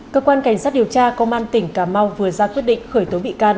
cơ quan cảnh sát điều tra công an tỉnh cà mau vừa ra quyết định khởi tố bị can